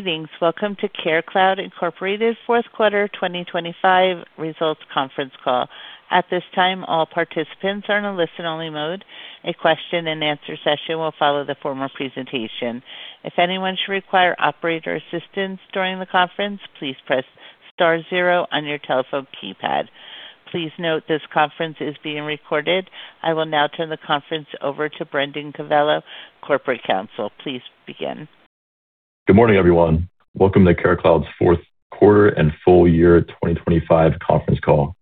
Greetings. Welcome to CareCloud, Inc.'s fourth quarter 2025 results conference call. At this time, all participants are in a listen-only mode. A question-and-answer session will follow the formal presentation. If anyone should require operator assistance during the conference, please press star zero on your telephone keypad. Please note this conference is being recorded. I will now turn the conference over to Brendan Covello, Corporate Counsel. Please begin. Good morning, everyone. Welcome to CareCloud's fourth quarter and full year 2025 conference call.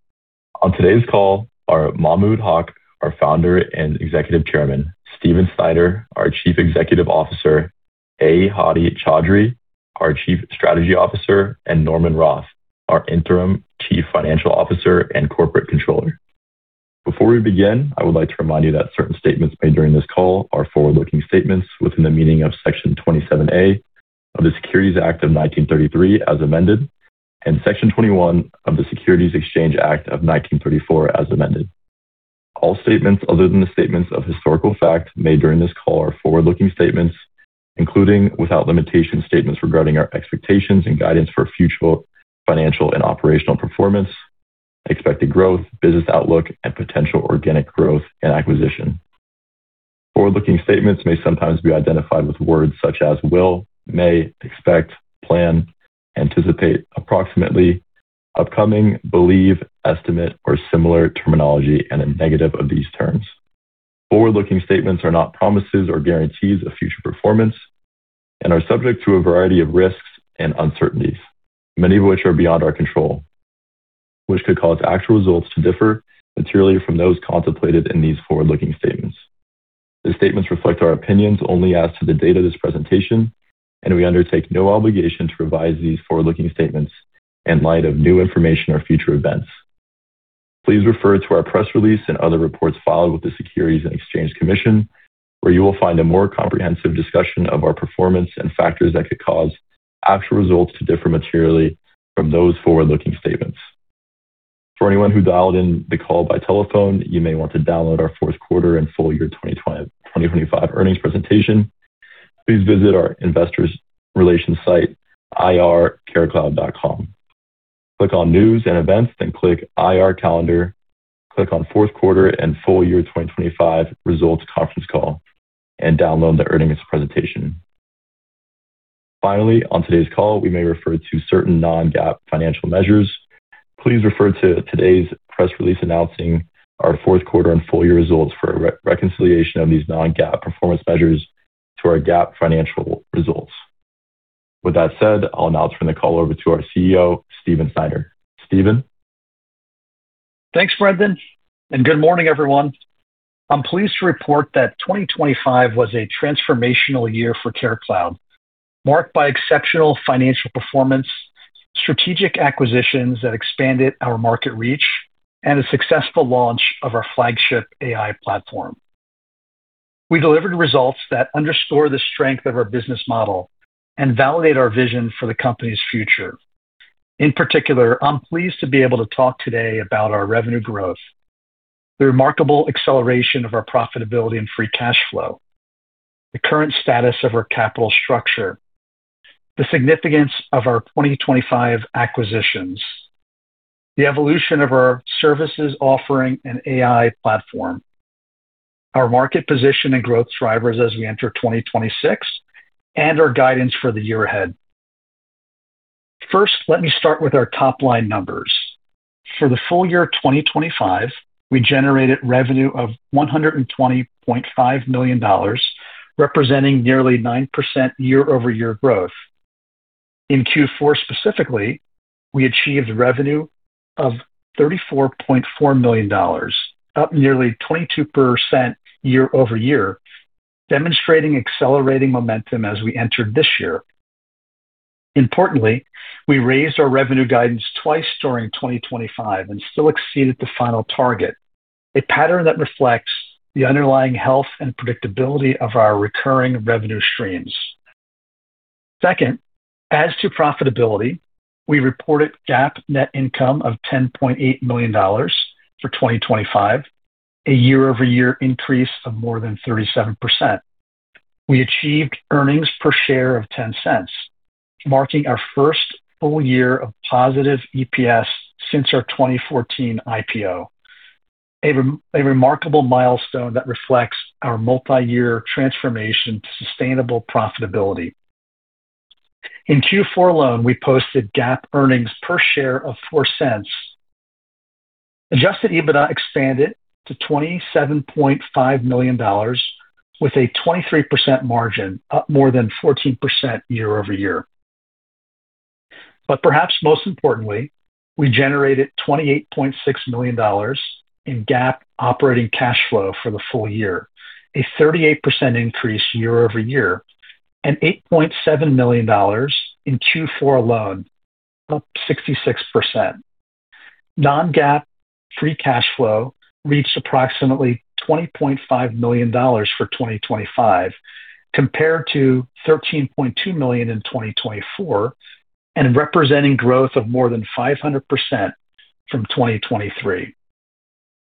On today's call are Mahmud Haq, our Founder and Executive Chairman, Stephen Snyder, our Chief Executive Officer, A. Hadi Chaudhry, our Chief Strategy Officer, and Norman Roth, our Interim Chief Financial Officer and Corporate Controller. Before we begin, I would like to remind you that certain statements made during this call are forward-looking statements within the meaning of Section 27A of the Securities Act of 1933, as amended, and Section 21 of the Securities Exchange Act of 1934, as amended. All statements other than the statements of historical fact made during this call are forward-looking statements, including, without limitation, statements regarding our expectations and guidance for future financial and operational performance, expected growth, business outlook, and potential organic growth and acquisition. Forward-looking statements may sometimes be identified with words such as will, may, expect, plan, anticipate, approximately, upcoming, believe, estimate, or similar terminology, and a negative of these terms. Forward-looking statements are not promises or guarantees of future performance and are subject to a variety of risks and uncertainties, many of which are beyond our control, which could cause actual results to differ materially from those contemplated in these forward-looking statements. The statements reflect our opinions only as to the date of this presentation, and we undertake no obligation to revise these forward-looking statements in light of new information or future events. Please refer to our press release and other reports filed with the Securities and Exchange Commission, where you will find a more comprehensive discussion of our performance and factors that could cause actual results to differ materially from those forward-looking statements. For anyone who dialed in the call by telephone, you may want to download our fourth quarter and full year 2025 earnings presentation. Please visit our investor relations site, ir.carecloud.com. Click on News and Events, then click IR Calendar. Click on fourth quarter and full year 2025 results conference call and download the earnings presentation. Finally, on today's call, we may refer to certain non-GAAP financial measures. Please refer to today's press release announcing our fourth quarter and full year results for a reconciliation of these non-GAAP performance measures to our GAAP financial results. With that said, I'll now turn the call over to our CEO, Stephen Snyder. Stephen. Thanks, Brendan, and good morning, everyone. I'm pleased to report that 2025 was a transformational year for CareCloud, marked by exceptional financial performance, strategic acquisitions that expanded our market reach, and a successful launch of our flagship AI platform. We delivered results that underscore the strength of our business model and validate our vision for the company's future. In particular, I'm pleased to be able to talk today about our revenue growth, the remarkable acceleration of our profitability and free cash flow, the current status of our capital structure, the significance of our 2025 acquisitions, the evolution of our services offering and AI platform, our market position and growth drivers as we enter 2026, and our guidance for the year ahead. First, let me start with our top-line numbers. For the full year 2025, we generated revenue of $120.5 million, representing nearly 9% year-over-year growth. In Q4 specifically, we achieved revenue of $34.4 million, up nearly 22% year-over-year, demonstrating accelerating momentum as we entered this year. Importantly, we raised our revenue guidance twice during 2025 and still exceeded the final target, a pattern that reflects the underlying health and predictability of our recurring revenue streams. Second, as to profitability, we reported GAAP net income of $10.8 million for 2025, a year-over-year increase of more than 37%. We achieved earnings per share of $0.10, marking our first full year of positive EPS since our 2014 IPO. Remarkable milestone that reflects our multi-year transformation to sustainable profitability. In Q4 alone, we posted GAAP earnings per share of $0.04. Adjusted EBITDA expanded to $27.5 million with a 23% margin, up more than 14% year-over-year. Perhaps most importantly, we generated $28.6 million in GAAP operating cash flow for the full year, a 38% increase year-over-year, and $8.7 million in Q4 alone, up 66%. Non-GAAP free cash flow reached approximately $20.5 million for 2025, compared to $13.2 million in 2024, and representing growth of more than 500% from 2023.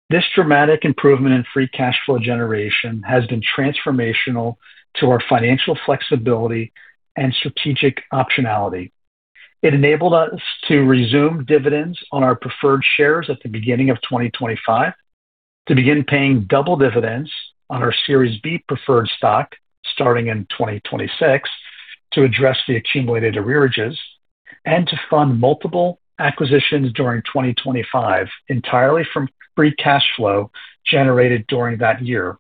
This dramatic improvement in free cash flow generation has been transformational to our financial flexibility and strategic optionality. It enabled us to resume dividends on our preferred shares at the beginning of 2025, to begin paying double dividends on our Series B preferred stock starting in 2026 to address the accumulated arrearages, and to fund multiple acquisitions during 2025 entirely from free cash flow generated during that year.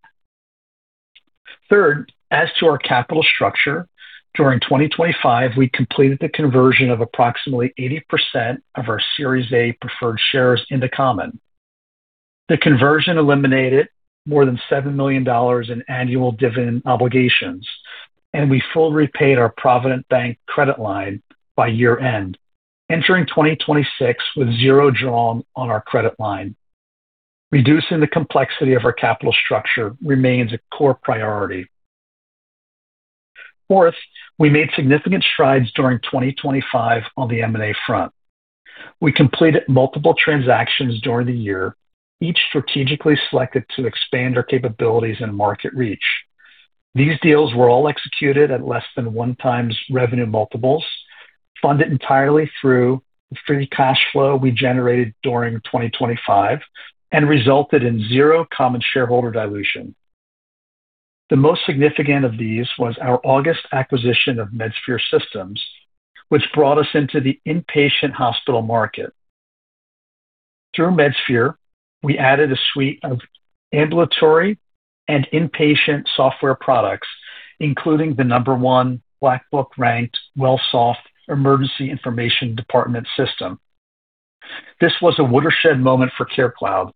Third, as to our capital structure, during 2025, we completed the conversion of approximately 80% of our Series A preferred shares into common. The conversion eliminated more than $7 million in annual dividend obligations, and we fully repaid our Provident Bank credit line by year-end, entering 2026 with zero drawn on our credit line. Reducing the complexity of our capital structure remains a core priority. Fourth, we made significant strides during 2025 on the M&A front. We completed multiple transactions during the year, each strategically selected to expand our capabilities and market reach. These deals were all executed at less than 1x revenue multiples, funded entirely through free cash flow we generated during 2025, and resulted in zero common shareholder dilution. The most significant of these was our August acquisition of Medsphere Systems, which brought us into the inpatient hospital market. Through Medsphere, we added a suite of ambulatory and inpatient software products, including the #1 Black Book-ranked Wellsoft Emergency Department Information System. This was a watershed moment for CareCloud.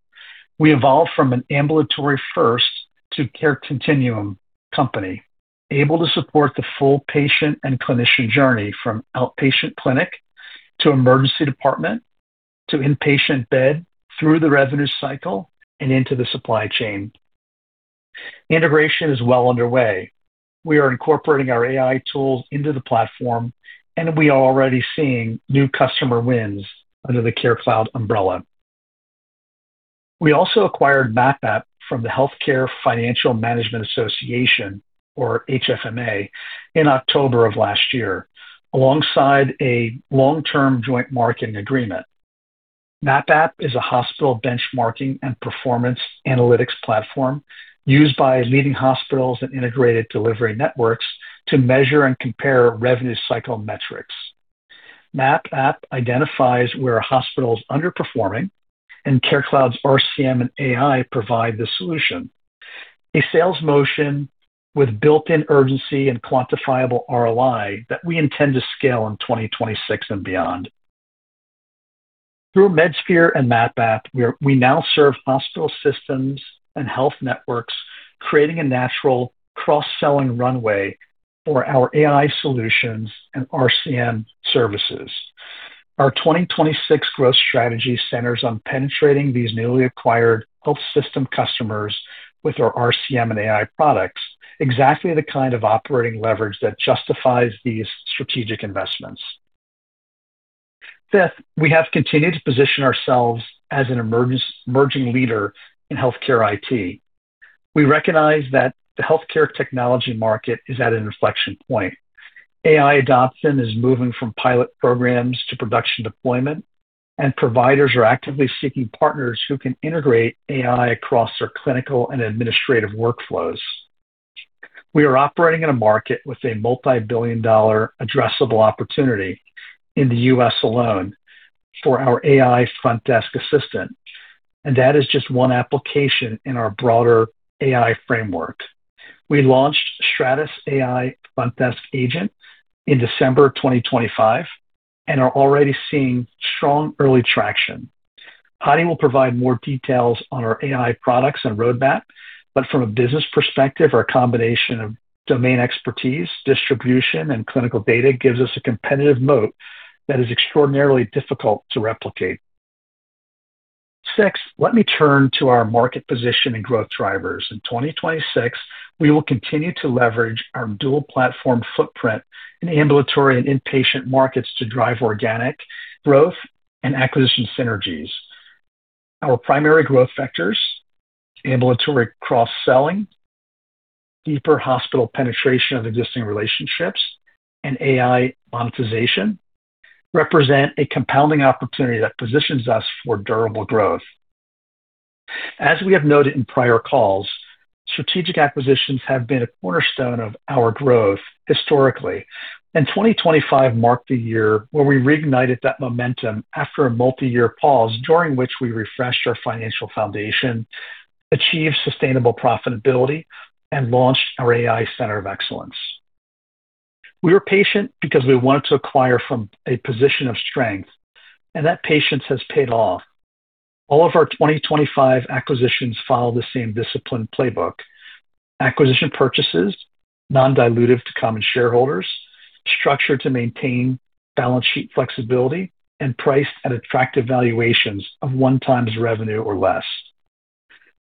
We evolved from an ambulatory first to care continuum company, able to support the full patient and clinician journey from outpatient clinic to emergency department to inpatient bed through the revenue cycle and into the supply chain. Integration is well underway. We are incorporating our AI tools into the platform, and we are already seeing new customer wins under the CareCloud umbrella. We also acquired MAP App from the Healthcare Financial Management Association, or HFMA, in October of last year, alongside a long-term joint marketing agreement. MAP App is a hospital benchmarking and performance analytics platform used by leading hospitals and integrated delivery networks to measure and compare revenue cycle metrics. MAP App identifies where a hospital is underperforming, and CareCloud's RCM and AI provide the solution. A sales motion with built-in urgency and quantifiable ROI that we intend to scale in 2026 and beyond. Through Medsphere and MAP App, we now serve hospital systems and health networks, creating a natural cross-selling runway for our AI solutions and RCM services. Our 2026 growth strategy centers on penetrating these newly acquired health system customers with our RCM and AI products, exactly the kind of operating leverage that justifies these strategic investments. Fifth, we have continued to position ourselves as an emerging leader in healthcare IT. We recognize that the healthcare technology market is at an inflection point. AI adoption is moving from pilot programs to production deployment, and providers are actively seeking partners who can integrate AI across their clinical and administrative workflows. We are operating in a market with a multi-billion-dollar addressable opportunity in the U.S. alone for our AI front desk assistant, and that is just one application in our broader AI framework. We launched stratusAI Desk Agent in December of 2025 and are already seeing strong early traction. Hadi will provide more details on our AI products and roadmap, but from a business perspective, our combination of domain expertise, distribution, and clinical data gives us a competitive moat that is extraordinarily difficult to replicate. Six, let me turn to our market position and growth drivers. In 2026, we will continue to leverage our dual platform footprint in ambulatory and inpatient markets to drive organic growth and acquisition synergies. Our primary growth vectors, ambulatory cross-selling, deeper hospital penetration of existing relationships, and AI monetization, represent a compounding opportunity that positions us for durable growth. As we have noted in prior calls, strategic acquisitions have been a cornerstone of our growth historically, and 2025 marked the year where we reignited that momentum after a multi-year pause during which we refreshed our financial foundation, achieved sustainable profitability, and launched our AI Center of Excellence. We were patient because we wanted to acquire from a position of strength, and that patience has paid off. All of our 2025 acquisitions follow the same disciplined playbook. Acquisition purchases, non-dilutive to common shareholders, structured to maintain balance sheet flexibility, and priced at attractive valuations of 1x revenue or less.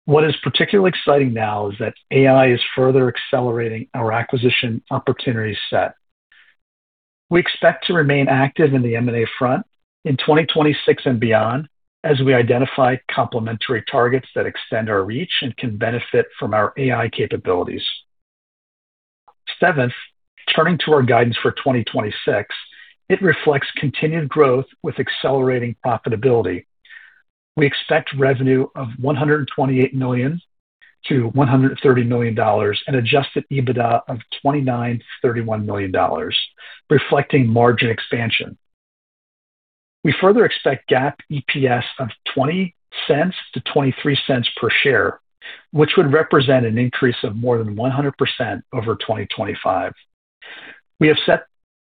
What is particularly exciting now is that AI is further accelerating our acquisition opportunity set. We expect to remain active in the M&A front in 2026 and beyond as we identify complementary targets that extend our reach and can benefit from our AI capabilities. Seventh, turning to our guidance for 2026, it reflects continued growth with accelerating profitability. We expect revenue of $128 million-$130 million, an adjusted EBITDA of $29 million-$31 million, reflecting margin expansion. We further expect GAAP EPS of $0.20-$0.23 per share, which would represent an increase of more than 100% over 2025. We have set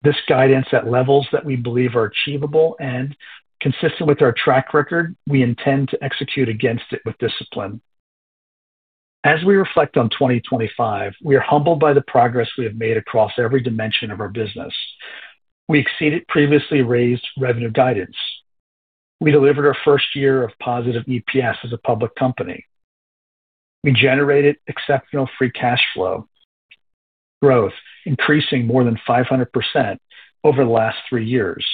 this guidance at levels that we believe are achievable and consistent with our track record. We intend to execute against it with discipline. As we reflect on 2025, we are humbled by the progress we have made across every dimension of our business. We exceeded previously raised revenue guidance. We delivered our first year of positive EPS as a public company. We generated exceptional free cash flow growth, increasing more than 500% over the last 3 years.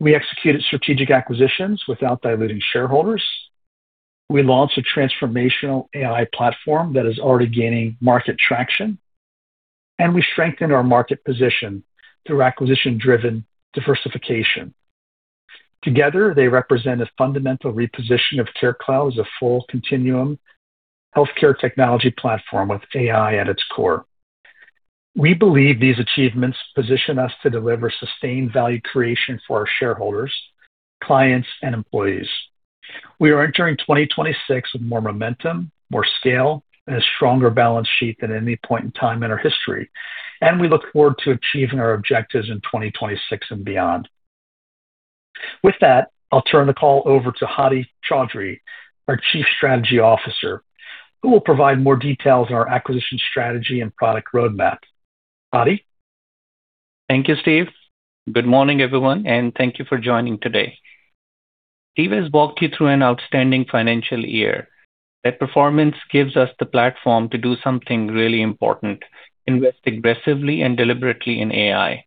We executed strategic acquisitions without diluting shareholders. We launched a transformational AI platform that is already gaining market traction. We strengthened our market position through acquisition-driven diversification. Together, they represent a fundamental reposition of CareCloud as a full continuum healthcare technology platform with AI at its core. We believe these achievements position us to deliver sustained value creation for our shareholders, clients, and employees. We are entering 2026 with more momentum, more scale, and a stronger balance sheet than any point in time in our history, and we look forward to achieving our objectives in 2026 and beyond. With that, I'll turn the call over to A. Hadi Chaudhry, our Chief Strategy Officer, who will provide more details on our acquisition strategy and product roadmap. Hadi? Thank you, Steve. Good morning, everyone, and thank you for joining today. Steve has walked you through an outstanding financial year. That performance gives us the platform to do something really important: invest aggressively and deliberately in AI.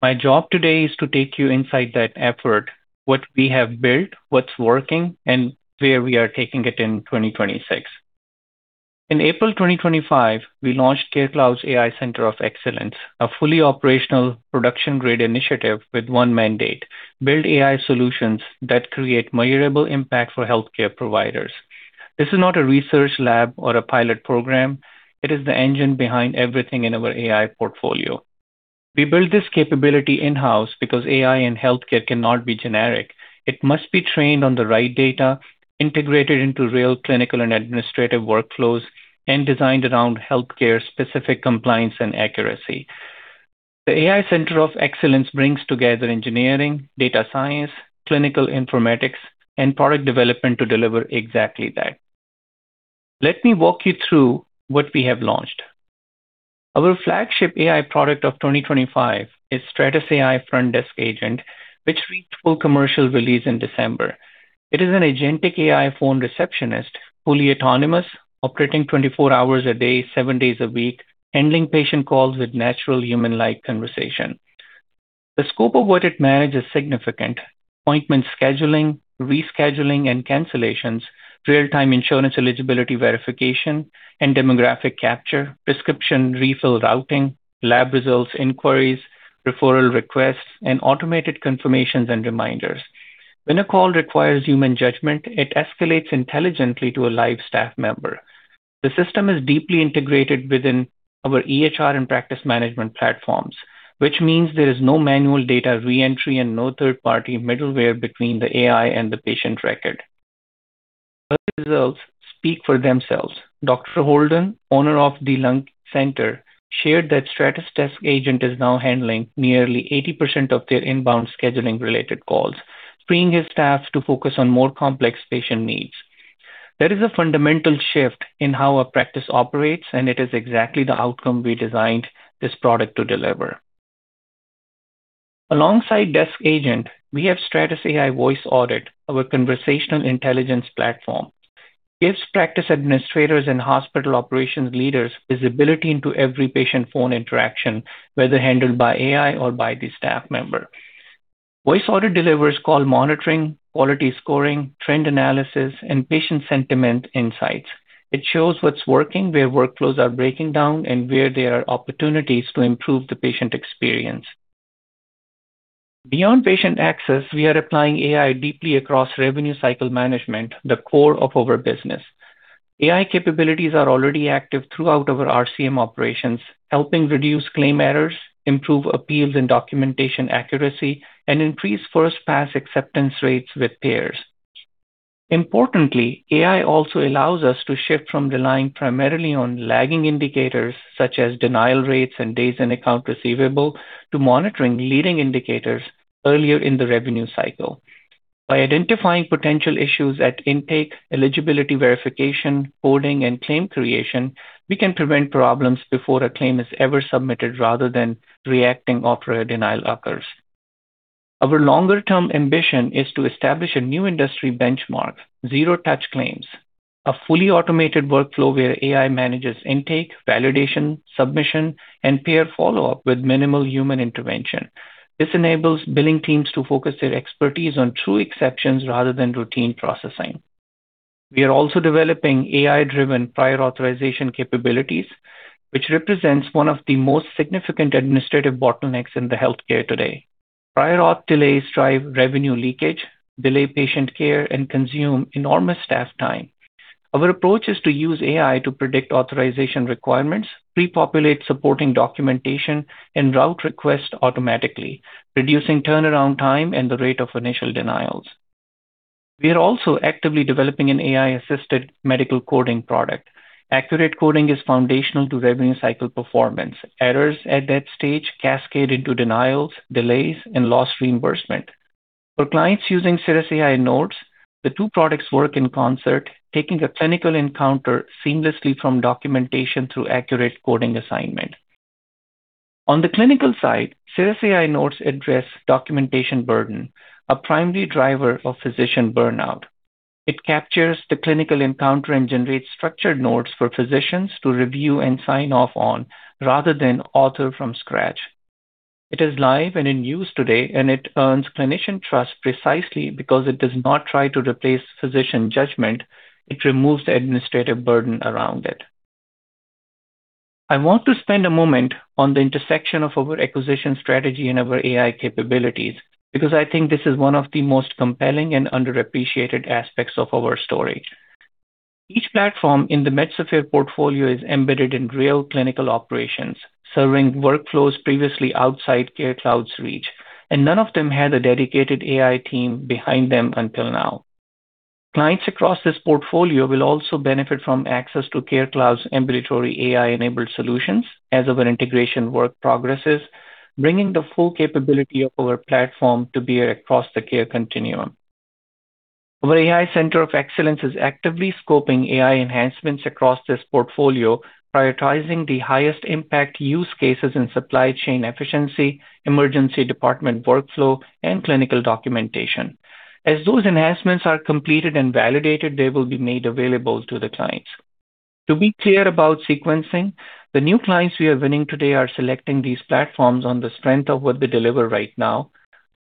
My job today is to take you inside that effort, what we have built, what's working, and where we are taking it in 2026. In April 2025, we launched CareCloud's AI Center of Excellence, a fully operational production-grade initiative with one mandate: build AI solutions that create measurable impact for healthcare providers. This is not a research lab or a pilot program. It is the engine behind everything in our AI portfolio. We built this capability in-house because AI and healthcare cannot be generic. It must be trained on the right data, integrated into real clinical and administrative workflows, and designed around healthcare-specific compliance and accuracy. The AI Center of Excellence brings together engineering, data science, clinical informatics, and product development to deliver exactly that. Let me walk you through what we have launched. Our flagship AI product of 2025 is stratusAI Desk Agent, which reached full commercial release in December. It is an agentic AI phone receptionist, fully autonomous, operating 24 hours a day, 7 days a week, handling patient calls with natural human-like conversation. The scope of what it manages is significant. Appointment scheduling, rescheduling, and cancellations, real-time insurance eligibility verification and demographic capture, prescription refill routing, lab results inquiries, referral requests, and automated confirmations and reminders. When a call requires human judgment, it escalates intelligently to a live staff member. The system is deeply integrated within our EHR and practice management platforms, which means there is no manual data re-entry and no third-party middleware between the AI and the patient record. Early results speak for themselves. Dr. Holden, owner of The Lung Center, shared that stratusAI Desk Agent is now handling nearly 80% of their inbound scheduling-related calls, freeing his staff to focus on more complex patient needs. That is a fundamental shift in how a practice operates, and it is exactly the outcome we designed this product to deliver. Alongside Desk Agent, we have stratusAI Voice Audit, our conversational intelligence platform. It gives practice administrators and hospital operations leaders visibility into every patient phone interaction, whether handled by AI or by the staff member. Voice Audit delivers call monitoring, quality scoring, trend analysis, and patient sentiment insights. It shows what's working, where workflows are breaking down, and where there are opportunities to improve the patient experience. Beyond patient access, we are applying AI deeply across revenue cycle management, the core of our business. AI capabilities are already active throughout our RCM operations, helping reduce claim errors, improve appeals and documentation accuracy, and increase first-pass acceptance rates with payers. Importantly, AI also allows us to shift from relying primarily on lagging indicators, such as denial rates and days in accounts receivable, to monitoring leading indicators earlier in the revenue cycle. By identifying potential issues at intake, eligibility verification, coding, and claim creation, we can prevent problems before a claim is ever submitted rather than reacting after a denial occurs. Our longer term ambition is to establish a new industry benchmark, zero touch claims. A fully automated workflow where AI manages intake, validation, submission, and peer follow-up with minimal human intervention. This enables billing teams to focus their expertise on true exceptions rather than routine processing. We are also developing AI-driven prior authorization capabilities, which represents one of the most significant administrative bottlenecks in the healthcare today. Prior auth delays drive revenue leakage, delay patient care, and consume enormous staff time. Our approach is to use AI to predict authorization requirements, pre-populate supporting documentation, and route requests automatically, reducing turnaround time and the rate of initial denials. We are also actively developing an AI-assisted medical coding product. Accurate coding is foundational to revenue cycle performance. Errors at that stage cascade into denials, delays, and loss reimbursement. For clients using cirrusAI Notes, the two products work in concert, taking a clinical encounter seamlessly from documentation through accurate coding assignment. On the clinical side, cirrusAI Notes address documentation burden, a primary driver of physician burnout. It captures the clinical encounter and generates structured notes for physicians to review and sign off on rather than author from scratch. It is live and in use today, and it earns clinician trust precisely because it does not try to replace physician judgment. It removes the administrative burden around it. I want to spend a moment on the intersection of our acquisition strategy and our AI capabilities because I think this is one of the most compelling and underappreciated aspects of our story. Each platform in the Medsphere portfolio is embedded in real clinical operations, serving workflows previously outside CareCloud's reach, and none of them had a dedicated AI team behind them until now. Clients across this portfolio will also benefit from access to CareCloud's ambulatory AI-enabled solutions as our integration work progresses, bringing the full capability of our platform to bear across the care continuum. Our AI Center of Excellence is actively scoping AI enhancements across this portfolio, prioritizing the highest impact use cases in supply chain efficiency, emergency department workflow, and clinical documentation. As those enhancements are completed and validated, they will be made available to the clients. To be clear about sequencing, the new clients we are winning today are selecting these platforms on the strength of what they deliver right now.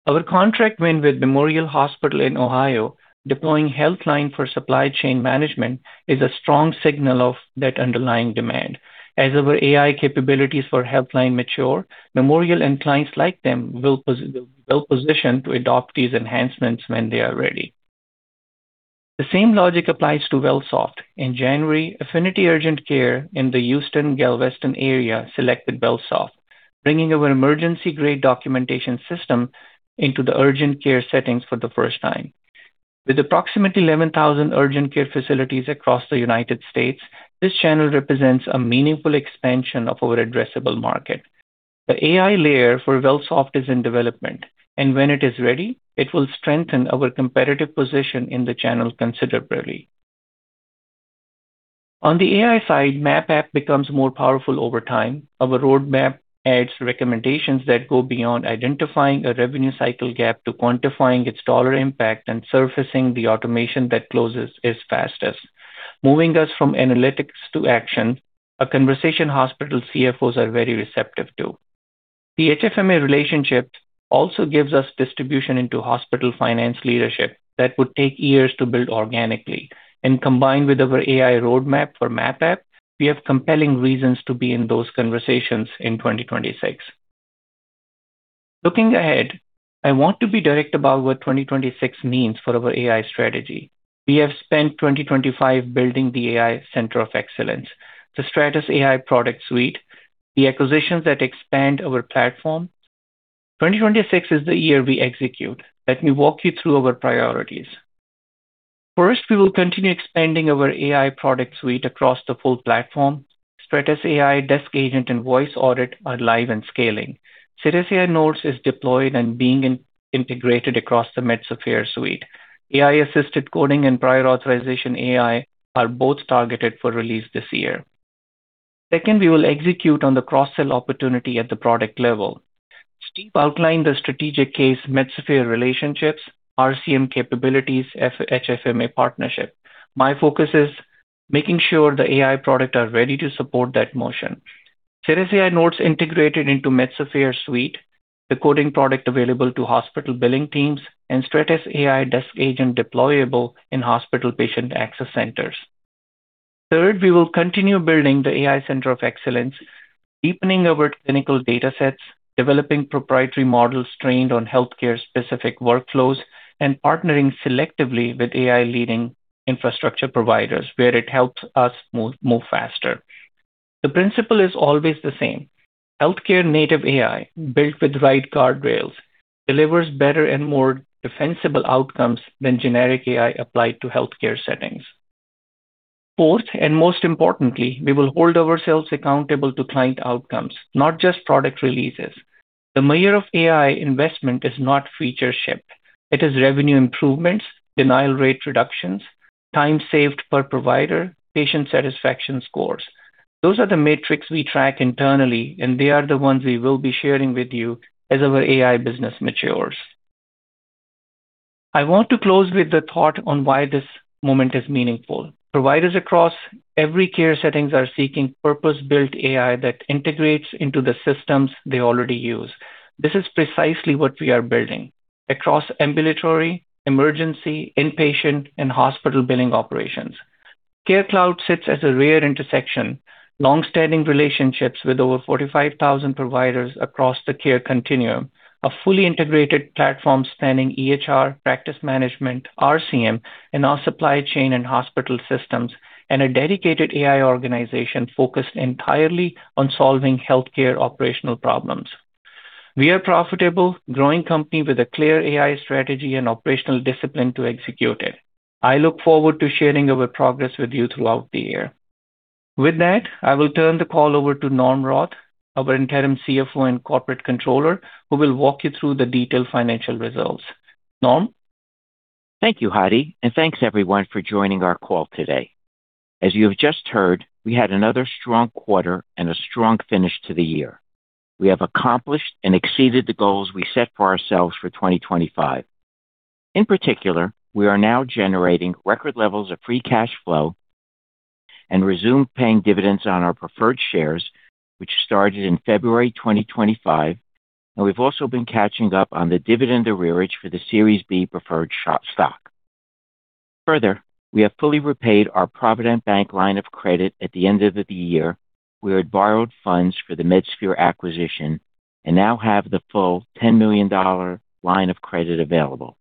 Our contract win with Memorial Hospital in Ohio, deploying HealthLine for supply chain management, is a strong signal of that underlying demand. As our AI capabilities for HealthLine mature, Memorial and clients like them will be well-positioned to adopt these enhancements when they are ready. The same logic applies to Wellsoft. In January, Affinity Urgent Care in the Houston-Galveston area selected Wellsoft, bringing our emergency-grade documentation system into the urgent care settings for the first time. With approximately 11,000 urgent care facilities across the United States, this channel represents a meaningful expansion of our addressable market. The AI layer for Wellsoft is in development, and when it is ready, it will strengthen our competitive position in the channel considerably. On the AI side, MAP App becomes more powerful over time. Our roadmap adds recommendations that go beyond identifying a revenue cycle gap to quantifying its dollar impact and surfacing the automation that closes it fastest. Moving us from analytics to action, a conversation hospital CFOs are very receptive to. The HFMA relationship also gives us distribution into hospital finance leadership that would take years to build organically. Combined with our AI roadmap for MAP App, we have compelling reasons to be in those conversations in 2026. Looking ahead, I want to be direct about what 2026 means for our AI strategy. We have spent 2025 building the AI Center of Excellence. The stratusAI product suite, the acquisitions that expand our platform. 2026 is the year we execute. Let me walk you through our priorities. First, we will continue expanding our AI product suite across the full platform. stratusAI Desk Agent and Voice Audit are live and scaling. cirrusAI Notes is deployed and being integrated across the Medsphere suite. AI-assisted coding and prior authorization AI are both targeted for release this year. Second, we will execute on the cross-sell opportunity at the product level. Steve outlined the strategic case Medsphere relationships, RCM capabilities, HFMA partnership. My focus is making sure the AI products are ready to support that motion. cirrusAI Notes integrated into Medsphere suite, the coding product available to hospital billing teams and stratusAI Desk Agent deployable in hospital patient access centers. Third, we will continue building the AI Center of Excellence, deepening our clinical datasets, developing proprietary models trained on healthcare-specific workflows, and partnering selectively with AI leading infrastructure providers where it helps us move faster. The principle is always the same. Healthcare native AI built with the right guardrails delivers better and more defensible outcomes than generic AI applied to healthcare settings. Fourth, and most importantly, we will hold ourselves accountable to client outcomes, not just product releases. The measure of AI investment is not feature ship. It is revenue improvements, denial rate reductions, time saved per provider, patient satisfaction scores. Those are the metrics we track internally, and they are the ones we will be sharing with you as our AI business matures. I want to close with the thought on why this moment is meaningful. Providers across every care settings are seeking purpose-built AI that integrates into the systems they already use. This is precisely what we are building across ambulatory, emergency, inpatient, and hospital billing operations. CareCloud sits at a rare intersection. Longstanding relationships with over 45,000 providers across the care continuum, a fully integrated platform spanning EHR, practice management, RCM, and our supply chain and hospital systems, and a dedicated AI organization focused entirely on solving healthcare operational problems. We are profitable, growing company with a clear AI strategy and operational discipline to execute it. I look forward to sharing our progress with you throughout the year. With that, I will turn the call over to Norm Roth, our Interim CFO and Corporate Controller, who will walk you through the detailed financial results. Norm? Thank you, Hadi, and thanks everyone for joining our call today. As you have just heard, we had another strong quarter and a strong finish to the year. We have accomplished and exceeded the goals we set for ourselves for 2025. In particular, we are now generating record levels of free cash flow and resumed paying dividends on our preferred shares, which started in February 2025, and we've also been catching up on the dividend arrearage for the Series B preferred stock. Further, we have fully repaid our Provident Bank line of credit at the end of the year. We had borrowed funds for the Medsphere acquisition and now have the full $10 million line of credit available.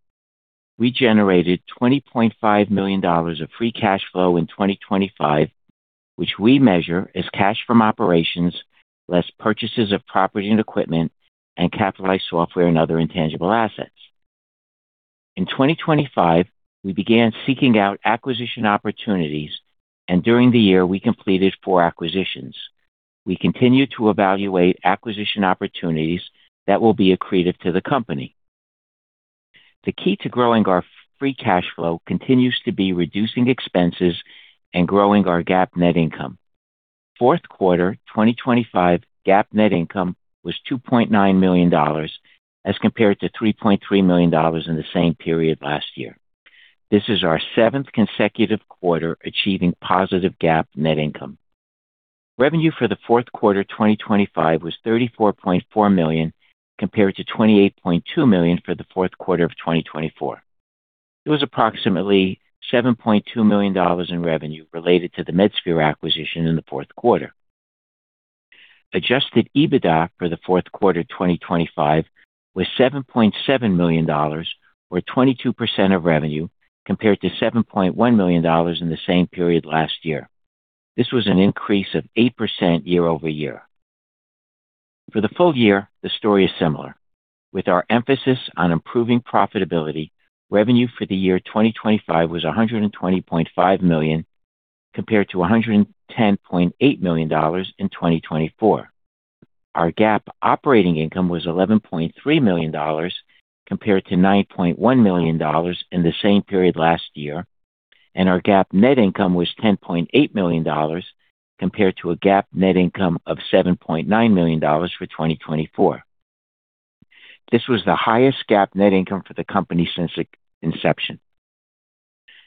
We generated $20.5 million of free cash flow in 2025, which we measure as cash from operations less purchases of property and equipment and capitalized software and other intangible assets. In 2025, we began seeking out acquisition opportunities, and during the year, we completed four acquisitions. We continue to evaluate acquisition opportunities that will be accretive to the company. The key to growing our free cash flow continues to be reducing expenses and growing our GAAP net income. Fourth quarter 2025 GAAP net income was $2.9 million as compared to $3.3 million in the same period last year. This is our seventh consecutive quarter achieving positive GAAP net income. Revenue for the fourth quarter 2025 was $34.4 million compared to $28.2 million for the fourth quarter of 2024. There was approximately $7.2 million in revenue related to the Medsphere acquisition in the fourth quarter. Adjusted EBITDA for the fourth quarter 2025 was $7.7 million, or 22% of revenue, compared to $7.1 million in the same period last year. This was an increase of 8% year-over-year. For the full year, the story is similar. With our emphasis on improving profitability, revenue for the year 2025 was $120.5 million, compared to $110.8 million in 2024. Our GAAP operating income was $11.3 million compared to $9.1 million in the same period last year, and our GAAP net income was $10.8 million compared to a GAAP net income of $7.9 million for 2024. This was the highest GAAP net income for the company since its inception.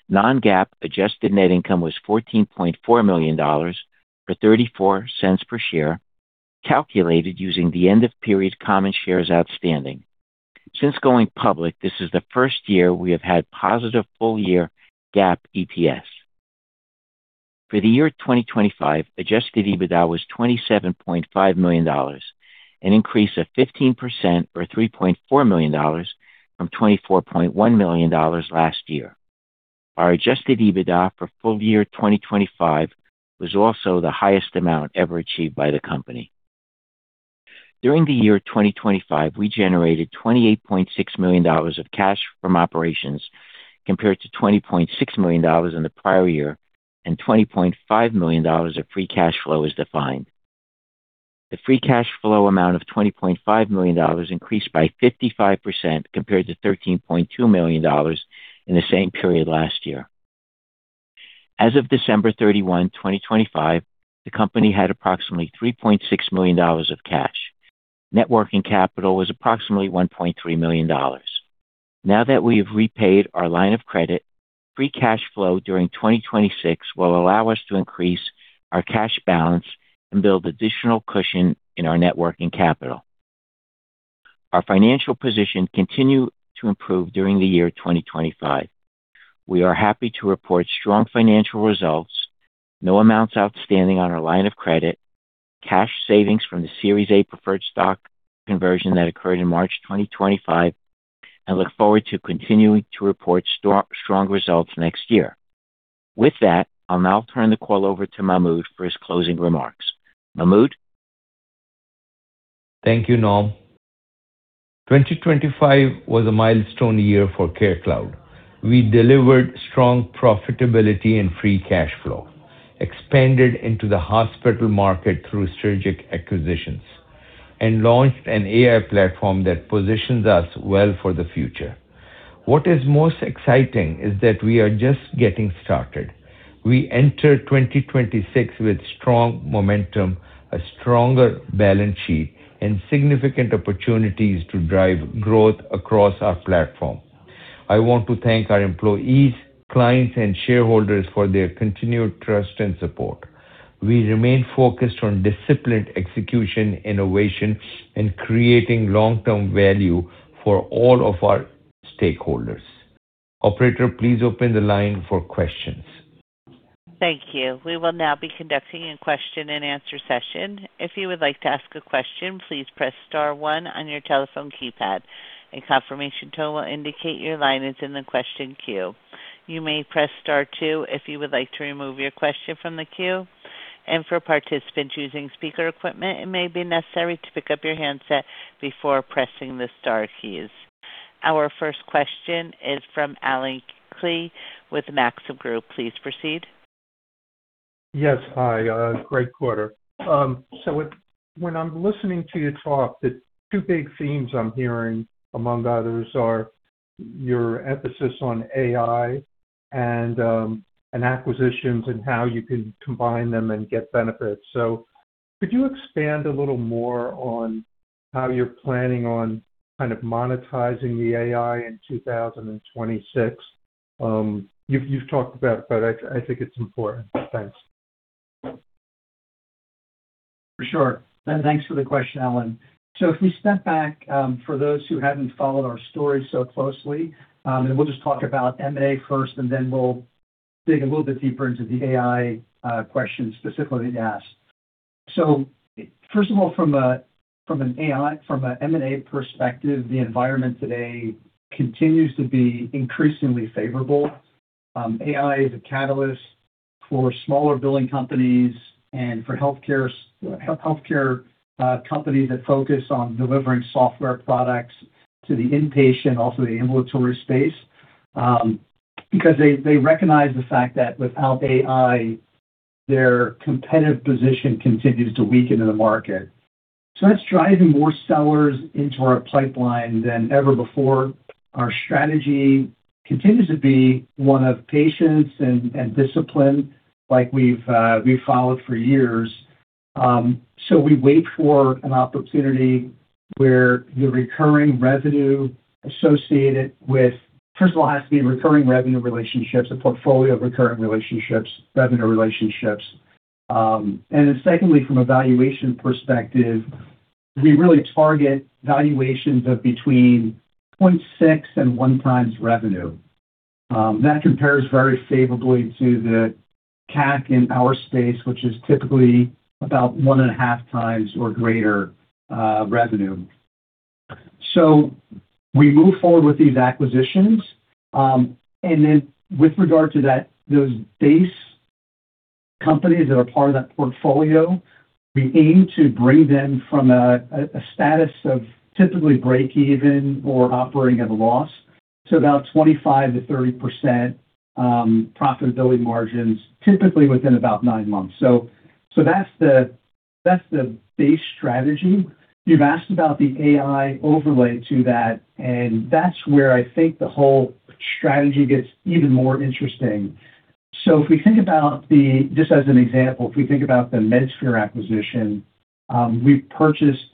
Non-GAAP adjusted net income was $14.4 million, or $0.34 per share, calculated using the end of period common shares outstanding. Since going public, this is the first year we have had positive full year GAAP EPS. For the year 2025, adjusted EBITDA was $27.5 million, an increase of 15% or $3.4 million from $24.1 million last year. Our adjusted EBITDA for full year 2025 was also the highest amount ever achieved by the company. During the year 2025, we generated $28.6 million of cash from operations compared to $20.6 million in the prior year, and $20.5 million of free cash flow as defined. The free cash flow amount of $20.5 million increased by 55% compared to $13.2 million in the same period last year. As of December 31, 2025, the company had approximately $3.6 million of cash. Net working capital was approximately $1.3 million. Now that we have repaid our line of credit, free cash flow during 2026 will allow us to increase our cash balance and build additional cushion in our net working capital. Our financial position continued to improve during the year 2025. We are happy to report strong financial results, no amounts outstanding on our line of credit, cash savings from the Series A preferred stock conversion that occurred in March 2025, and look forward to continuing to report strong results next year. With that, I'll now turn the call over to Mahmud for his closing remarks. Mahmud? Thank you, Norm. 2025 was a milestone year for CareCloud. We delivered strong profitability and free cash flow, expanded into the hospital market through strategic acquisitions, and launched an AI platform that positions us well for the future. What is most exciting is that we are just getting started. We enter 2026 with strong momentum, a stronger balance sheet and significant opportunities to drive growth across our platform. I want to thank our employees, clients, and shareholders for their continued trust and support. We remain focused on disciplined execution, innovation, and creating long-term value for all of our stakeholders. Operator, please open the line for questions. Thank you. We will now be conducting a question-and-answer session. If you would like to ask a question, please press star one on your telephone keypad. A confirmation tone will indicate your line is in the question queue. You may press star two if you would like to remove your question from the queue. For participants using speaker equipment, it may be necessary to pick up your handset before pressing the star keys. Our first question is from Allen Klee with Maxim Group. Please proceed. Yes. Hi. Great quarter. When I'm listening to you talk, the two big themes I'm hearing, among others, are your emphasis on AI and and acquisitions and how you can combine them and get benefits. Could you expand a little more on how you're planning on kind of monetizing the AI in 2026? You've talked about it, but I think it's important. Thanks. For sure. Thanks for the question, Alan. If we step back, for those who haven't followed our story so closely, and we'll just talk about M&A first, and then we'll dig a little bit deeper into the AI question specifically you asked. First of all, from an M&A perspective, the environment today continues to be increasingly favorable. AI is a catalyst for smaller billing companies and for healthcare companies that focus on delivering software products to the inpatient, also the ambulatory space, because they recognize the fact that without AI, their competitive position continues to weaken in the market. That's driving more sellers into our pipeline than ever before. Our strategy continues to be one of patience and discipline like we've followed for years. We wait for an opportunity where the recurring revenue associated with first of all, it has to be recurring revenue relationships, a portfolio of recurring relationships, revenue relationships. Secondly, from a valuation perspective, we really target valuations of between 0.6x and 1x revenue. That compares very favorably to the CAC in our space, which is typically about 1.5x or greater revenue. We move forward with these acquisitions. With regard to that, those base companies that are part of that portfolio, we aim to bring them from a status of typically break even or operating at a loss to about 25%-30% profitability margins, typically within about 9 months. That's the base strategy. You've asked about the AI overlay to that, and that's where I think the whole strategy gets even more interesting. Just as an example, if we think about the Medsphere acquisition, we purchased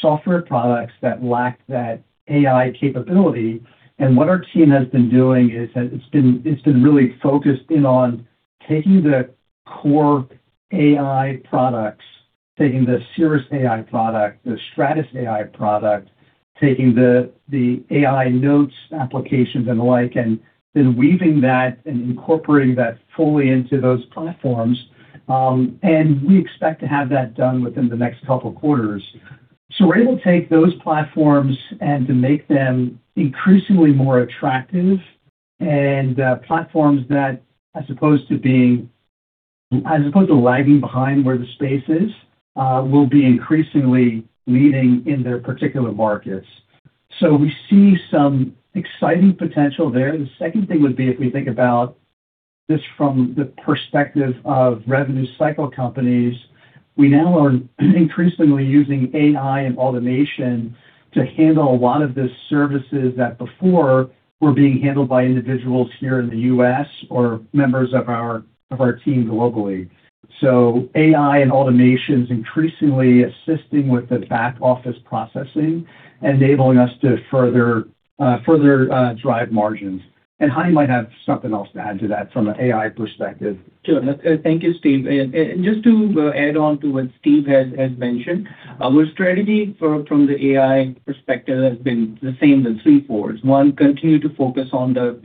software products that lacked that AI capability. What our team has been doing is it's been really focused in on taking the core AI products, taking the cirrusAI product, the stratusAI product, taking the cirrusAI Notes applications and the like, and then weaving that and incorporating that fully into those platforms. We expect to have that done within the next couple quarters. We're able to take those platforms and to make them increasingly more attractive and platforms that, as opposed to lagging behind where the space is, will be increasingly leading in their particular markets. We see some exciting potential there. The second thing would be if we think about this from the perspective of revenue cycle companies. We now are increasingly using AI and automation to handle a lot of the services that before were being handled by individuals here in the US or members of our team globally. AI and automation is increasingly assisting with the back-office processing, enabling us to further drive margins. Hadi might have something else to add to that from an AI perspective. Sure. Thank you, Steve. Just to add on to what Steve has mentioned, our strategy from the AI perspective has been the same in three-fourths. One, continue to focus on the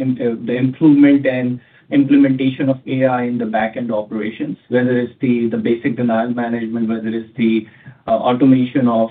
improvement and implementation of AI in the back-end operations. Whether it's the basic denial management, whether it's the automation of,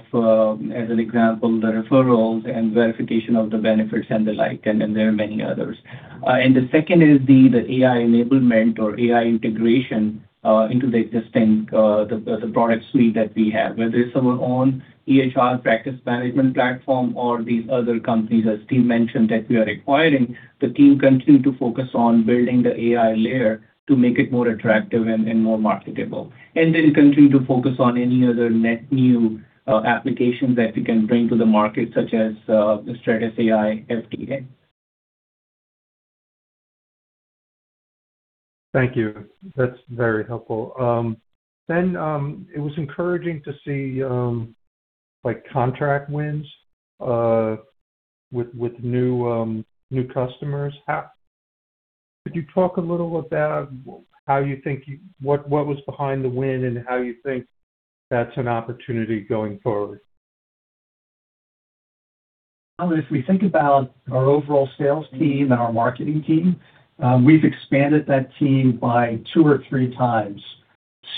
as an example, the referrals and verification of the benefits and the like, and there are many others. The second is the AI enablement or AI integration into the existing the product suite that we have. Whether it's our own EHR practice management platform or these other companies, as Steve mentioned, that we are acquiring. The team continue to focus on building the AI layer to make it more attractive and more marketable. Continue to focus on any other net new applications that we can bring to the market, such as the stratusAI FDA. Thank you. That's very helpful. It was encouraging to see, like, contract wins with new customers. Could you talk a little about what was behind the win and how you think that's an opportunity going forward? If we think about our overall sales team and our marketing team, we've expanded that team by two or three times.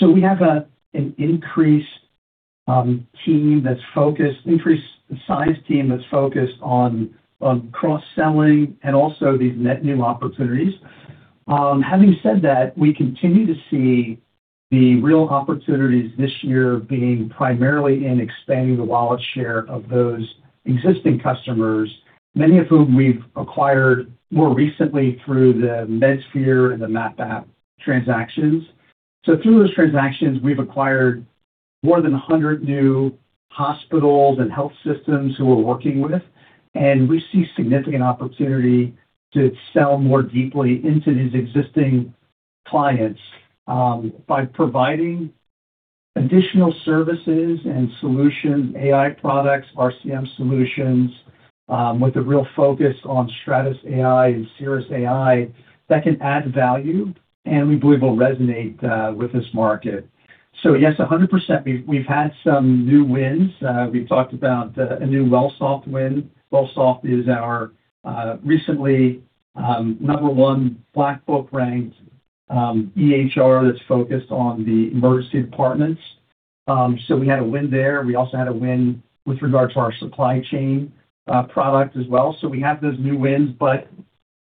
We have an increased size team that's focused on cross-selling and also these net new opportunities. Having said that, we continue to see the real opportunities this year being primarily in expanding the wallet share of those existing customers, many of whom we've acquired more recently through the Medsphere and the MAP App transactions. Through those transactions, we've acquired more than 100 new hospitals and health systems who we're working with, and we see significant opportunity to sell more deeply into these existing clients, by providing additional services and solution AI products, RCM solutions, with a real focus on stratusAI and cirrusAI that can add value and we believe will resonate with this market. Yes, 100%. We've had some new wins. We talked about a new Wellsoft win. Wellsoft is our recently number one Black Book ranked EHR that's focused on the emergency departments. We had a win there. We also had a win with regard to our HealthLine as well. We have those new wins, but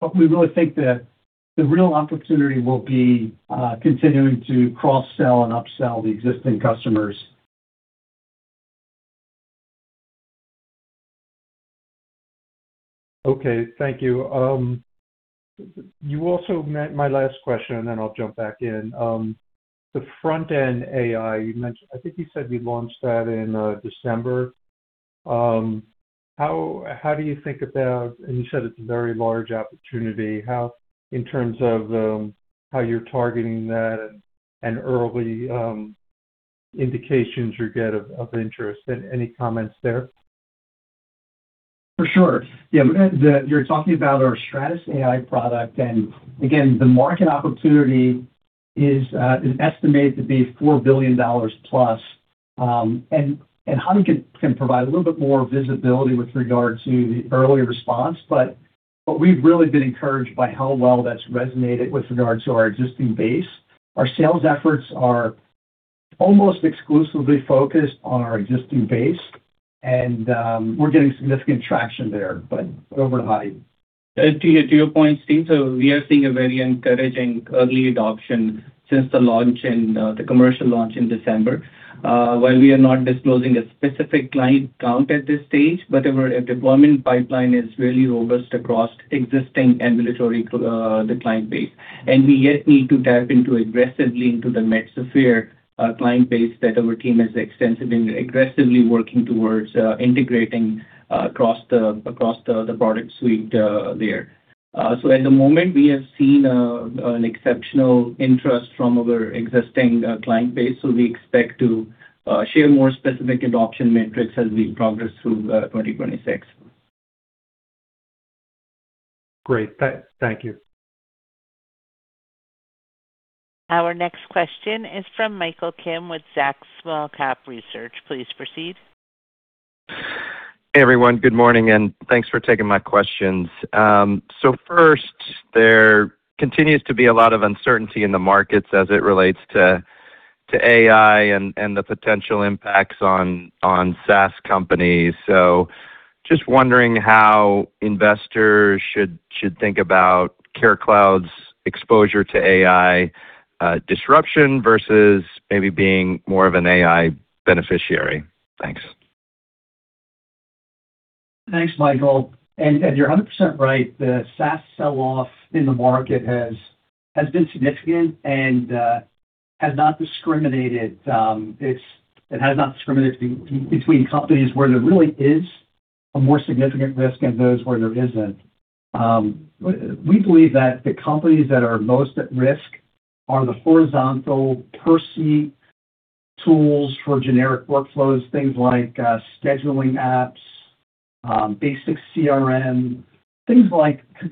what we really think the real opportunity will be continuing to cross-sell and upsell the existing customers. Okay. Thank you. You also my last question, and then I'll jump back in. The front-end AI you mentioned, I think you said you launched that in December. How do you think about. You said it's a very large opportunity. How, in terms of, how you're targeting that and early indications you get of interest. Any comments there? For sure. Yeah. You're talking about our stratusAI product. Again, the market opportunity is estimated to be $4 billion+. Hadi can provide a little bit more visibility with regard to the earlier response. What we've really been encouraged by how well that's resonated with regard to our existing base. Our sales efforts are almost exclusively focused on our existing base, and we're getting significant traction there. Over to Hadi. To your point, Steve, we are seeing a very encouraging early adoption since the commercial launch in December. While we are not disclosing a specific client count at this stage, but our deployment pipeline is really robust across existing ambulatory client base. We have yet to tap aggressively into the Medsphere client base that our team is extensively and aggressively working towards integrating across the product suite there. At the moment, we have seen an exceptional interest from our existing client base. We expect to share more specific adoption metrics as we progress through 2026. Great. Thank you. Our next question is from Michael Kim with Zacks Small Cap Research. Please proceed. Hey, everyone. Good morning, and thanks for taking my questions. First, there continues to be a lot of uncertainty in the markets as it relates to AI and the potential impacts on SaaS companies. Just wondering how investors should think about CareCloud's exposure to AI disruption versus maybe being more of an AI beneficiary. Thanks. Thanks, Michael. You're 100% right. The SaaS sell-off in the market has been significant and has not discriminated between companies where there really is a more significant risk and those where there isn't. We believe that the companies that are most at risk are the horizontal per se tools for generic workflows, things like scheduling apps, basic CRM.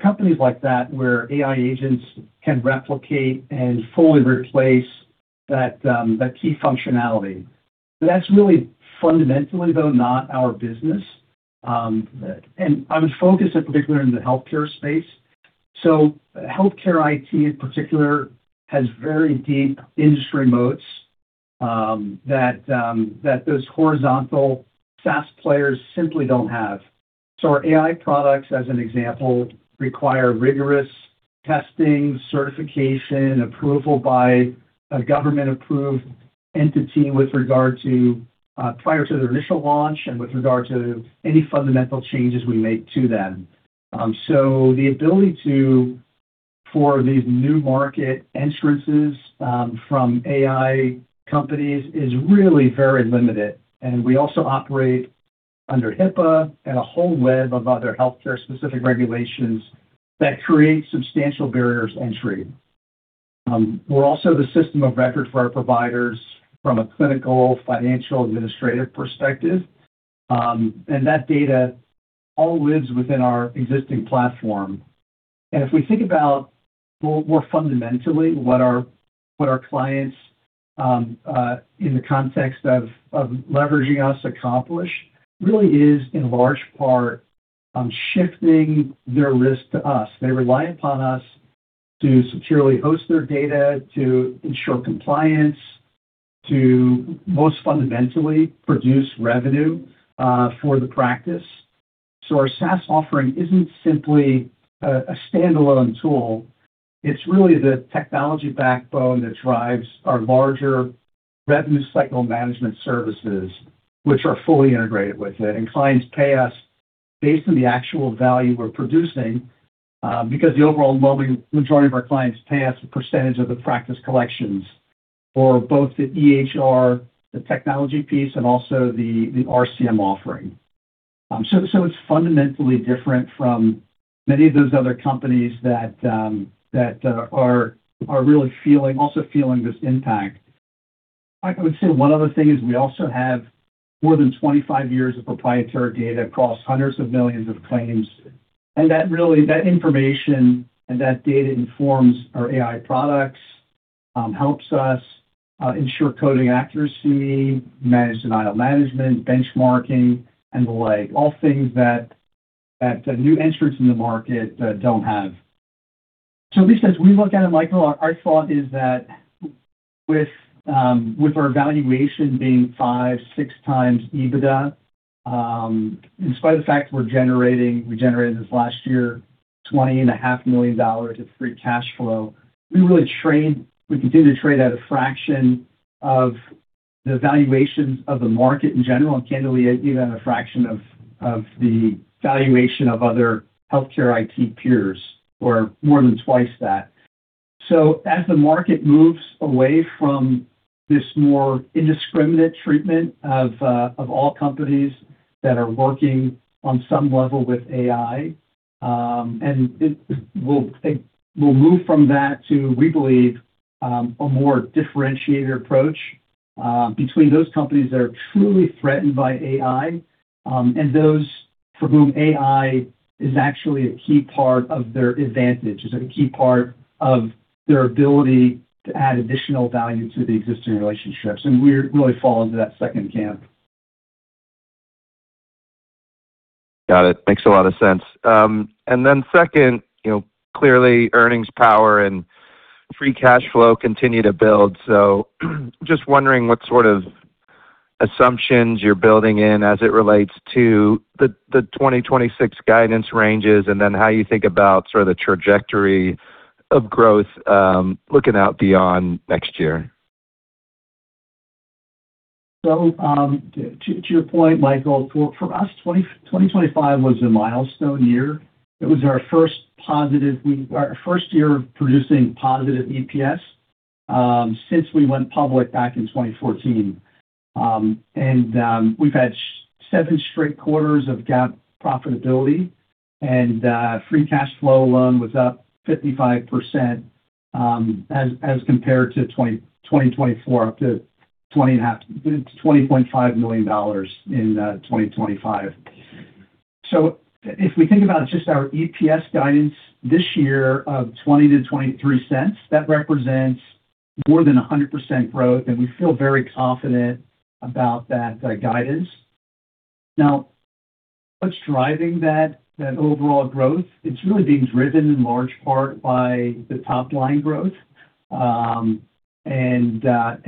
Companies like that where AI agents can replicate and fully replace that key functionality. But that's really fundamentally, though not our business. I would focus in particular in the healthcare space. Healthcare IT in particular has very deep industry moats that those horizontal SaaS players simply don't have. Our AI products, as an example, require rigorous testing, certification, approval by a government-approved entity with regard to prior to their initial launch and with regard to any fundamental changes we make to them. The ability, for these new market entrants from AI companies, is really very limited. We also operate under HIPAA and a whole web of other healthcare-specific regulations that create substantial barriers to entry. We're also the system of record for our providers from a clinical, financial, administrative perspective. That data all lives within our existing platform. If we think about more fundamentally what our clients in the context of leveraging us accomplish really is in large part shifting their risk to us. They rely upon us to securely host their data, to ensure compliance, to most fundamentally produce revenue for the practice. Our SaaS offering isn't simply a standalone tool. It's really the technology backbone that drives our larger revenue cycle management services, which are fully integrated with it. Clients pay us based on the actual value we're producing, because the overall majority of our clients pay us a percentage of the practice collections for both the EHR, the technology piece, and also the RCM offering. It's fundamentally different from many of those other companies that are really also feeling this impact. I would say one other thing is we also have more than 25 years of proprietary data across hundreds of millions of claims. That information and that data informs our AI products, helps us ensure coding accuracy, manage denial management, benchmarking and the like. All things that new entrants in the market don't have. At least as we look at it, Michael, our thought is that with our valuation being 5x-6x EBITDA, in spite of the fact we generated this last year $20.5 million of free cash flow, we continue to trade at a fraction of the valuations of the market in general, and candidly even at a fraction of the valuation of other healthcare IT peers who are more than twice that. As the market moves away from this more indiscriminate treatment of all companies that are working on some level with AI, and it will move from that to, we believe, a more differentiated approach between those companies that are truly threatened by AI, and those for whom AI is actually a key part of their advantage, is a key part of their ability to add additional value to the existing relationships. We really fall into that second camp. Got it. Makes a lot of sense. Second, you know, clearly earnings power and free cash flow continue to build. Just wondering what sort of assumptions you're building in as it relates to the 2026 guidance ranges, and then how you think about sort of the trajectory of growth, looking out beyond next year. To your point, Michael, for us, 2025 was a milestone year. It was our first year of producing positive EPS since we went public back in 2014. We've had seven straight quarters of GAAP profitability and free cash flow alone was up 55% as compared to 2024, up to $20.5 million in 2025. If we think about just our EPS guidance this year of $0.20-$0.23, that represents more than 100% growth, and we feel very confident about that guidance. Now what's driving that overall growth, it's really being driven in large part by the top line growth. In addition to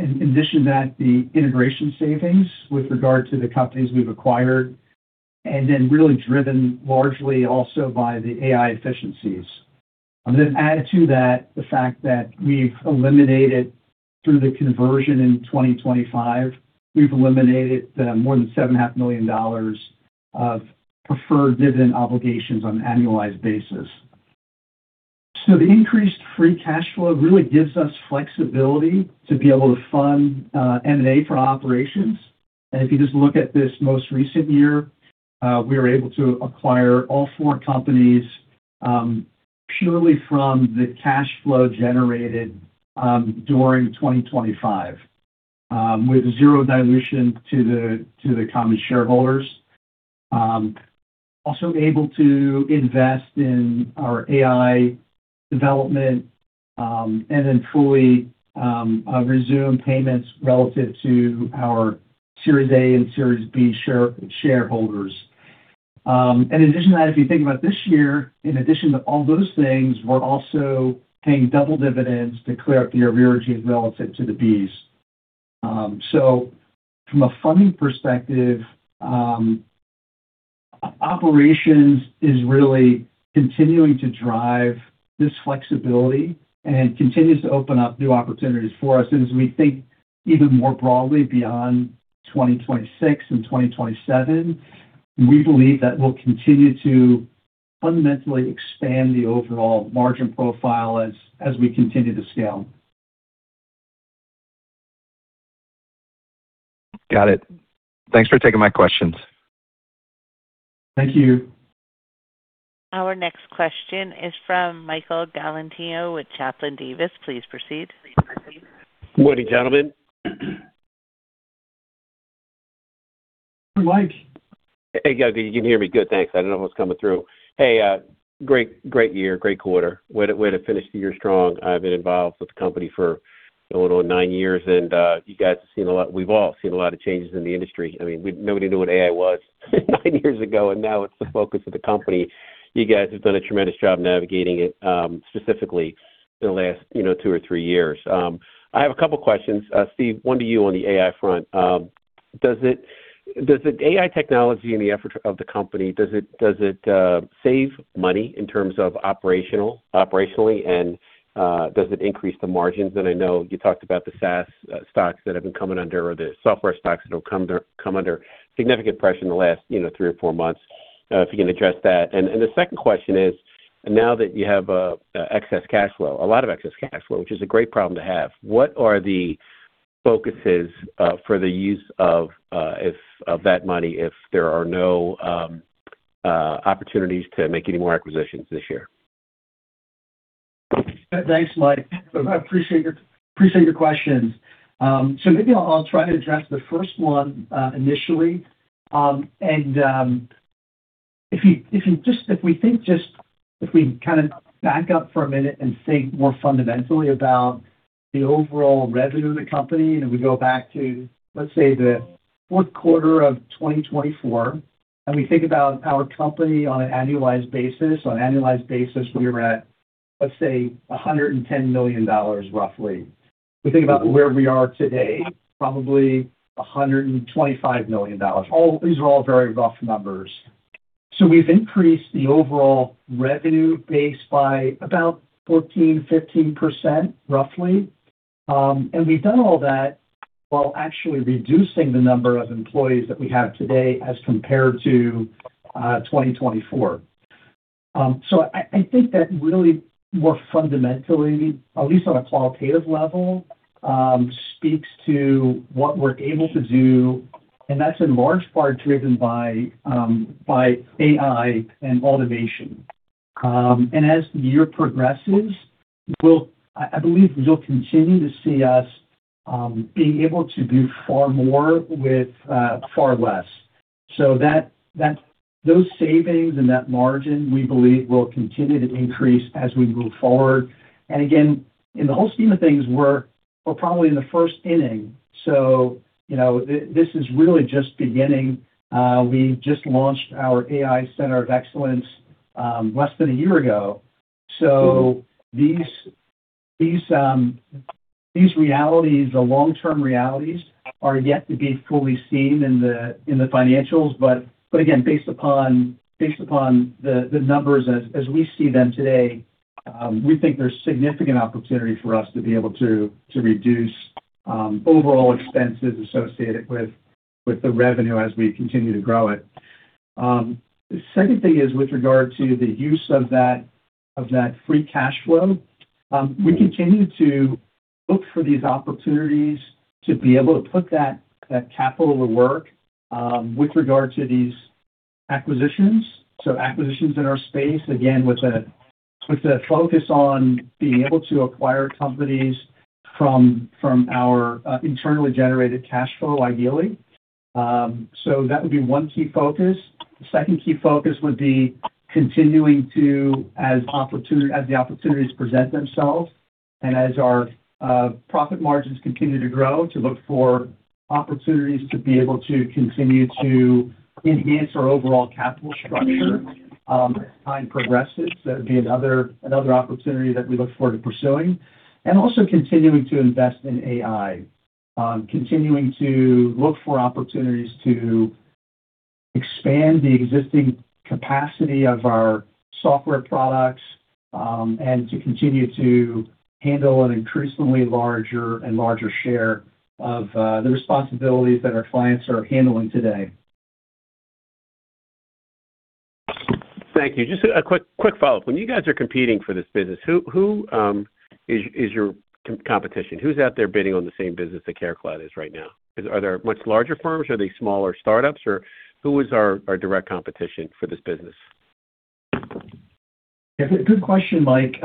that, the integration savings with regard to the companies we've acquired, and then really driven largely also by the AI efficiencies. Add to that the fact that we've eliminated through the conversion in 2025 more than $7 and a half million of preferred dividend obligations on an annualized basis. The increased free cash flow really gives us flexibility to be able to fund M&A for operations. If you just look at this most recent year, we were able to acquire all four companies purely from the cash flow generated during 2025 with zero dilution to the common shareholders. Also able to invest in our AI development and then fully resume payments relative to our Series A and Series B shareholders. In addition to that, if you think about this year, in addition to all those things, we're also paying double dividends to clear up the arrearages relative to the Bs. So from a funding perspective, operations is really continuing to drive this flexibility and continues to open up new opportunities for us. As we think even more broadly beyond 2026 and 2027, we believe that we'll continue to fundamentally expand the overall margin profile as we continue to scale. Got it. Thanks for taking my questions. Thank you. Our next question is from Michael Galantino with Chapin Davis. Please proceed. Morning, gentlemen. Mike. Hey, guys. You can hear me? Good, thanks. I don't know if I was coming through. Hey, great year, great quarter. Way to finish the year strong. I've been involved with the company for going on nine years, and you guys have seen a lot. We've all seen a lot of changes in the industry. I mean, nobody knew what AI was nine years ago, and now it's the focus of the company. You guys have done a tremendous job navigating it, specifically in the last, you know, two or three years. I have a couple questions. Steve, one to you on the AI front. Does the AI technology and the effort of the company save money in terms of operationally, and does it increase the margins? I know you talked about the SaaS or the software stocks that have come under significant pressure in the last three or four months, if you can address that. The second question is, now that you have excess cash flow, a lot of excess cash flow, which is a great problem to have, what are the focuses for the use of that money if there are no opportunities to make any more acquisitions this year? Thanks, Mike. I appreciate your questions. Maybe I'll try to address the first one initially. If we kinda back up for a minute and think more fundamentally about the overall revenue of the company, and we go back to, let's say, the fourth quarter of 2024, and we think about our company on an annualized basis. On an annualized basis, we were at, let's say, $110 million, roughly. We think about where we are today, probably $125 million. These are all very rough numbers. We've increased the overall revenue base by about 14%-15%, roughly. We've done all that while actually reducing the number of employees that we have today as compared to 2024. I think that really more fundamentally, at least on a qualitative level, speaks to what we're able to do, and that's in large part driven by AI and automation. As the year progresses, I believe you'll continue to see us being able to do far more with far less. Those savings and that margin, we believe, will continue to increase as we move forward. Again, in the whole scheme of things, we're probably in the first inning, you know, this is really just beginning. We just launched our AI Center of Excellence less than a year ago. These realities, the long-term realities are yet to be fully seen in the financials. Again, based upon the numbers as we see them today, we think there's significant opportunity for us to be able to reduce overall expenses associated with the revenue as we continue to grow it. The second thing is with regard to the use of that free cash flow. We continue to look for these opportunities to be able to put that capital to work with regard to these acquisitions. Acquisitions in our space, again, with a focus on being able to acquire companies from our internally generated cash flow, ideally. That would be one key focus. The second key focus would be continuing to, as the opportunities present themselves and as our profit margins continue to grow, to look for opportunities to be able to continue to enhance our overall capital structure, as time progresses. That would be another opportunity that we look forward to pursuing. Also continuing to invest in AI, continuing to look for opportunities to expand the existing capacity of our software products, and to continue to handle an increasingly larger and larger share of the responsibilities that our clients are handling today. Thank you. Just a quick follow-up. When you guys are competing for this business, who is your competition? Who's out there bidding on the same business that CareCloud is right now? Are there much larger firms? Are they smaller startups? Or who is our direct competition for this business? Yeah. Good question, Mike.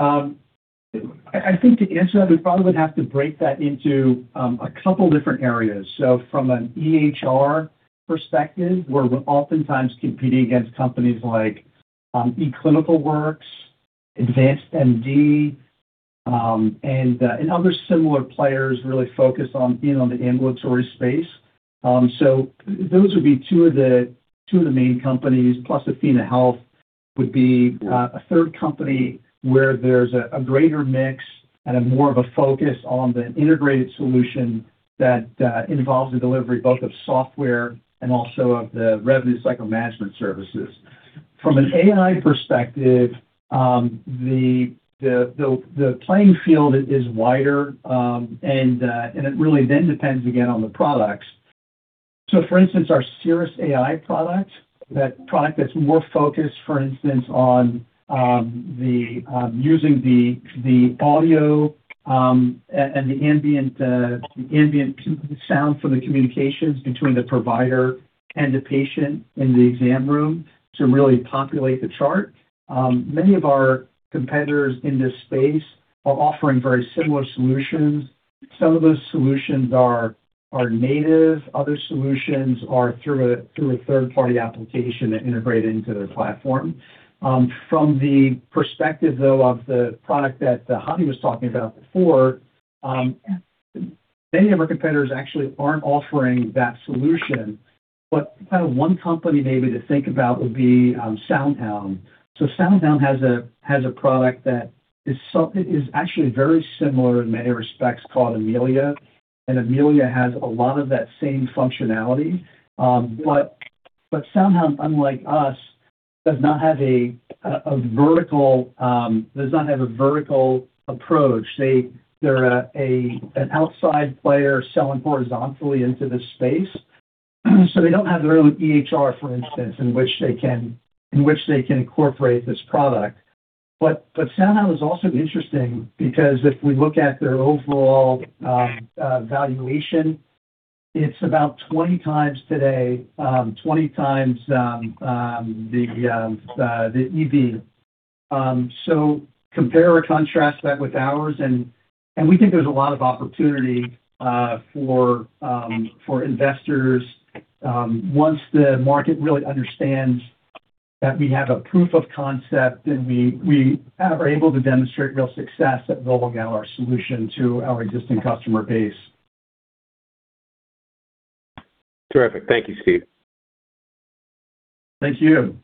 I think to answer that, we probably would have to break that into a couple different areas. From an EHR perspective, we're oftentimes competing against companies like eClinicalWorks, AdvancedMD, and other similar players really focused on being on the ambulatory space. Those would be two of the main companies, plus athenahealth would be a third company where there's a greater mix and more of a focus on the integrated solution that involves the delivery both of software and also of the revenue cycle management services. From an AI perspective, the playing field is wider, and it really then depends again on the products. For instance, our cirrusAI product, that product that's more focused, for instance, on using the audio and the ambient sound from the communications between the provider and the patient in the exam room to really populate the chart. Many of our competitors in this space are offering very similar solutions. Some of those solutions are native, other solutions are through a third-party application that integrate into their platform. From the perspective, though, of the product that Hadi was talking about before, many of our competitors actually aren't offering that solution. Kind of one company maybe to think about would be SoundHound AI. SoundHound has a product that is actually very similar in many respects called Amelia. Amelia has a lot of that same functionality. SoundHound, unlike us, does not have a vertical approach. They're an outside player selling horizontally into this space, so they don't have their own EHR, for instance, in which they can incorporate this product. SoundHound is also interesting because if we look at their overall valuation, it's about 20x today, 20x the EV. Compare or contrast that with ours and we think there's a lot of opportunity for investors once the market really understands that we have a proof of concept and we are able to demonstrate real success at rolling out our solution to our existing customer base. Terrific. Thank you, Steve. Thank you.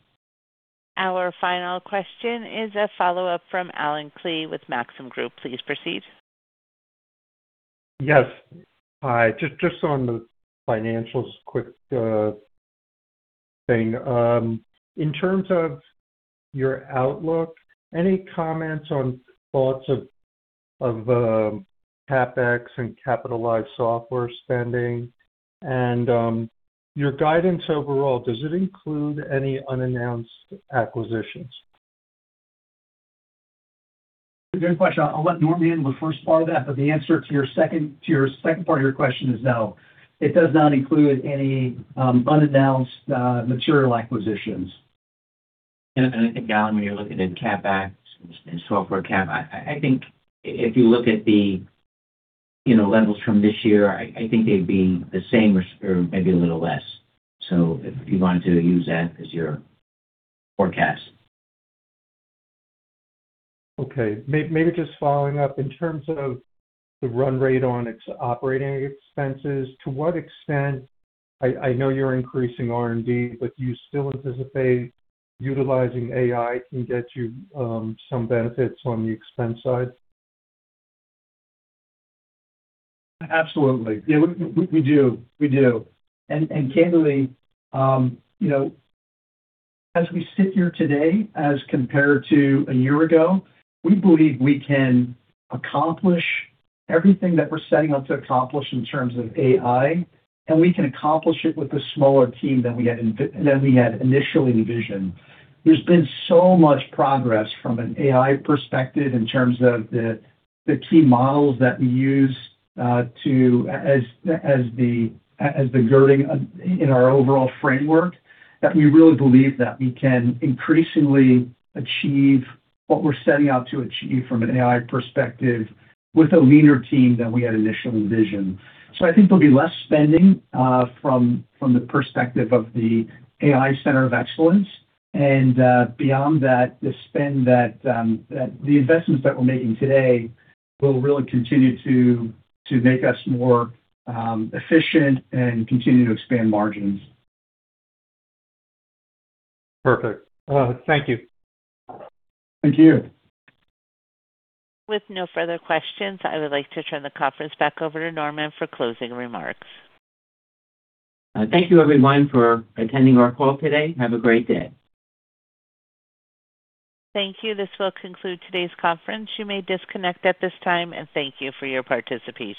Our final question is a follow-up from Allen Klee with Maxim Group. Please proceed. Yes. Hi. Just on the financials, quick thing. In terms of your outlook, any comments on thoughts of CapEx and capitalized software spending? Your guidance overall, does it include any unannounced acquisitions? Good question. I'll let Norman handle the first part of that, but the answer to your second part of your question is no, it does not include any unannounced material acquisitions. I think, Alan, when you're looking at CapEx and software CapEx, I think if you look at the, you know, levels from this year, I think they'd be the same or maybe a little less. If you wanted to use that as your forecast. Okay. Maybe just following up, in terms of the run rate on its operating expenses, to what extent I know you're increasing R&D, but do you still anticipate utilizing AI can get you some benefits on the expense side? Absolutely. Yeah, we do. Candidly, you know, as we sit here today as compared to a year ago, we believe we can accomplish everything that we're setting out to accomplish in terms of AI, and we can accomplish it with a smaller team than we had initially envisioned. There's been so much progress from an AI perspective in terms of the key models that we use as the girding in our overall framework, that we really believe that we can increasingly achieve what we're setting out to achieve from an AI perspective with a leaner team than we had initially envisioned. I think there'll be less spending from the perspective of the AI Center of Excellence. Beyond that, the investments that we're making today will really continue to make us more efficient and continue to expand margins. Perfect. Thank you. Thank you. With no further questions, I would like to turn the conference back over to Norman for closing remarks. Thank you everyone for attending our call today. Have a great day. Thank you. This will conclude today's conference. You may disconnect at this time, and thank you for your participation.